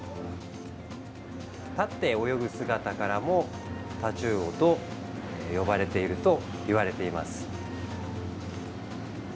立って泳ぐ姿からもタチウオと呼ばれているといわれています。